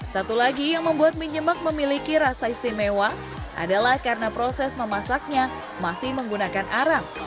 satu lagi yang membuat mie nyemek memiliki rasa istimewa adalah karena proses memasaknya masih menggunakan arang